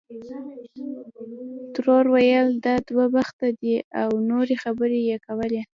ترور ویل دا دوه بخته دی او نورې خبرې یې کولې.